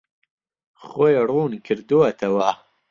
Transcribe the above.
خۆی ڕوون کردووەتەوە.